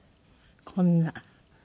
こんな。